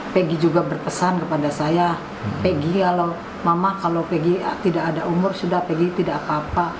peggy juga berpesan kepada saya pegi kalau mama kalau tidak ada umur sudah pegi tidak apa apa